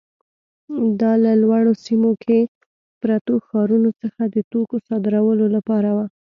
دا له لوړو سیمو کې پرتو ښارونو څخه د توکو صادرولو لپاره وه.